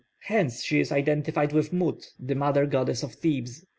Hence she is identified with Mut, the mother goddess of Thebes.